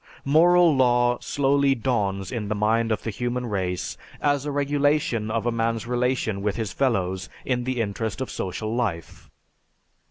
"Moral law slowly dawns in the mind of the human race as a regulation of a man's relation with his fellows in the interest of social life.